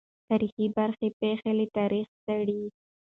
تاریخي برخه پېښې له تاریخه څېړي.